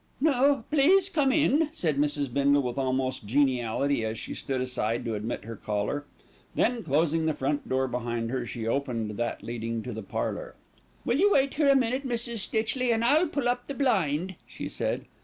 "No, please come in," said Mrs. Bindle, with almost geniality, as she stood aside to admit her caller, then, closing the front door behind her, she opened that leading to the parlour. "Will you just wait here a minute, Mrs. Stitchley, and I'll pull up the blind?" she said.